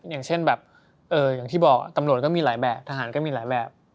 อย่างเช่นแบบอย่างที่บอกตำรวจก็มีหลายแบบทหารก็มีหลายแบบ